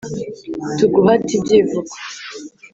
Tuguhate ibyivugo